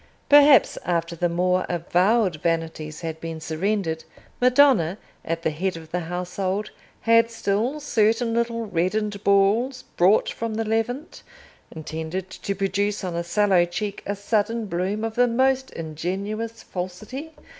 Perhaps, after the more avowed vanities had been surrendered, Madonna, at the head of the household, had still certain little reddened balls brought from the Levant, intended to produce on a sallow cheek a sudden bloom of the most ingenuous falsity?